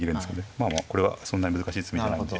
まあまあこれはそんなに難しい詰みじゃないんで。